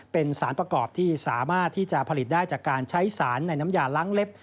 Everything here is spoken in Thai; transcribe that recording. เป็นสารประกอบที่สามารถที่จะผลิตได้จากการใช้สารในน้ำยาล้างเล็บ